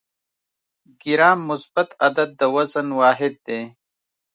ګرام مثبت عدد د وزن واحد دی.